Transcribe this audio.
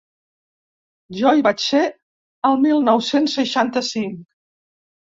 Jo hi vaig ser el mil nou-cents seixanta-cinc.